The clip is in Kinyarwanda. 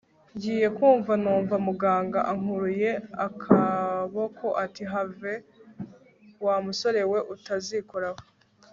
ngiye kumva numva muganga ankuruye akabokoati have wamusore we utazikoraho